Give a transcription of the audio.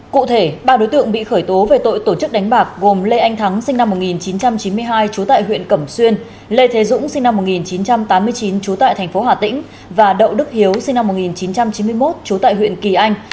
cụ thể ba đối tượng bị khởi tố về tội tổ chức đánh bạc gồm lê anh thắng sinh năm một nghìn chín trăm chín mươi hai trú tại huyện cẩm xuyên lê thế dũng sinh năm một nghìn chín trăm tám mươi chín trú tại thành phố hà tĩnh và đậu đức hiếu sinh năm một nghìn chín trăm chín mươi một trú tại huyện kỳ anh